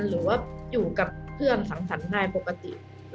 หรือว่าอยู่กับเพื่อนสั่งษันก่ายปกติ